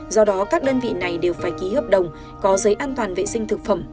do đó các đơn vị này đều phải ký hợp đồng có giấy an toàn vệ sinh thực phẩm